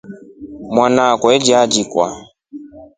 Mwana akwa alialikwa.